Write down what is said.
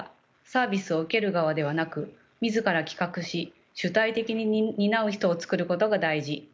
サービスを受ける側ではなく自ら企画し主体的に担う人をつくることが大事」と話します。